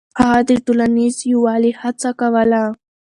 هغه د ټولنيز يووالي هڅه کوله.